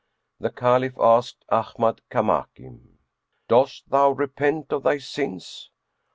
The Caliph asked Ahmad Kamakim, "Doss thou repent of thy sins?"